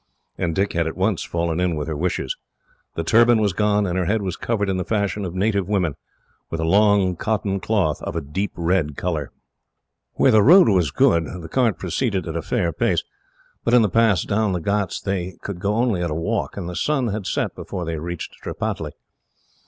And Dick had at once fallen in with her wishes. The turban was gone, and her head was covered in the fashion of native women, with a long cotton cloth of a deep red colour. Where the road was good, the cart proceeded at a fair pace, but in the pass down the ghauts they could go only at a walk, and the sun had set before they reached Tripataly.